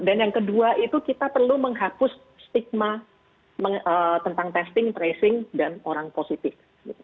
dan yang kedua itu kita perlu menghapus stigma tentang testing tracing dan orang positif